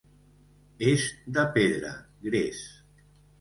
És de pedra, gres.